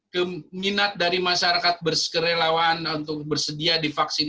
keminat dari masyarakat berkerelawan untuk bersedia di vaksin